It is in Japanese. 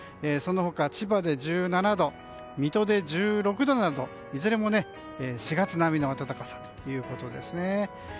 その他、千葉で１７度水戸で１６度などいずれも４月並みの暖かさということです。